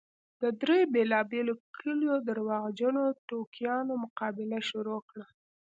د دريو بېلابېلو کليو درواغجنو ټوکیانو مقابله شروع کړه.